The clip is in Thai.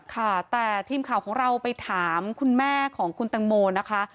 ค่ะแต่ทีมข่าวของเราไปถามคุณแม่ของคุณตังโมนะคะ